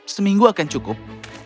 seminggu akan cukup